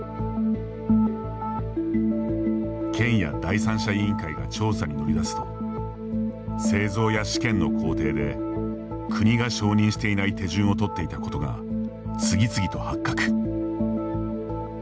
県や第三者委員会が調査に乗り出すと製造や試験の工程で国が承認していない手順を取っていたことが次々と発覚。